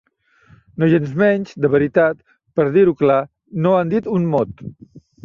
Nogensmenys, de veritat, per dir-ho clar, no n'han dit un mot.